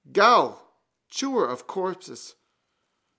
_ Ghoul! Chewer of corpses!